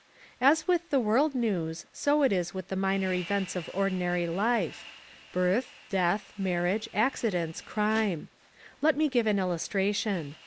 As with the world news so it is with the minor events of ordinary life, birth, death, marriage, accidents, crime. Let me give an illustration.